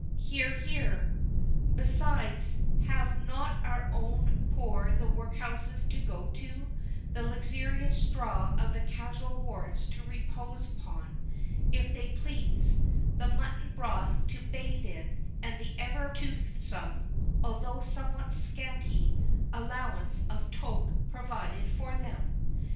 (Hear, hear.) Besides, have not our own poor the workhouses to go to; the luxurious straw of the casual wards to repose upon, if they please; the mutton broth to bathe in; and the ever toothsome, although somewhat scanty, allowance of 'toke' provided for them?